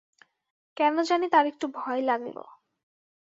কেন জানি তাঁর একটু ভয় লাগল।